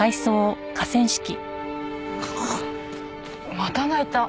また鳴いた。